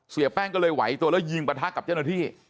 เสียแป้งก็เลยไหวตัวแล้วยิงประทะกับเจ้าหน้าที่